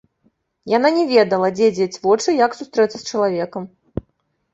Яна не ведала, дзе дзець вочы, як сустрэцца з чалавекам.